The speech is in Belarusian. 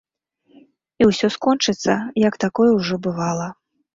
І ўсё скончыцца, як такое ўжо бывала.